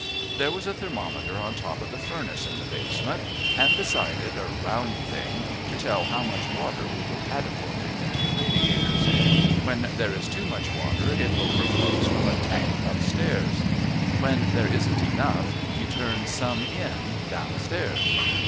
There was a thermometer on top of the furnace in the basement, and beside it a round thing to tell how much water we were catapulting into the radiators. When there is too much water it overflows from a tank upstairs; when there isn't enough you turn some in downstairs.